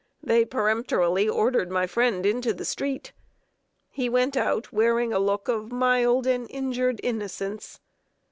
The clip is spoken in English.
They peremptorily ordered my friend into the street. He went out wearing a look of mild and injured innocence.